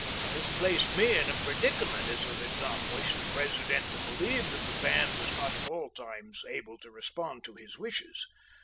'" This placed me in a predicament, as I did not wish the President to believe that the band was not at all times able to respond to his wishes.